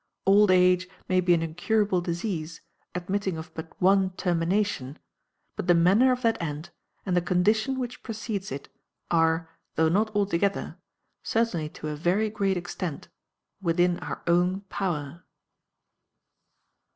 Old age may be an incurable disease, admitting of but one termination, but the manner of that end, and the condition which precedes it, are, though not altogether, certainly to a very great extent, within our own power.